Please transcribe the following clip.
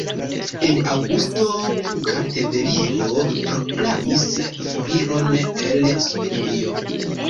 En aŭgusto Kartvelio proklamis foriron el Sovetunio.